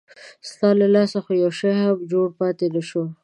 ستا له لاسه خو یو شی هم جوړ پاتې نه شو.